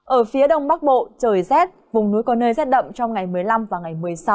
ở phía đông bắc bộ trời rét vùng núi có nơi rét đậm trong ngày một mươi năm và ngày một mươi sáu